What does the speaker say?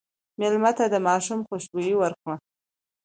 مېلمه ته د ماشوم خوشبويي ورکړه.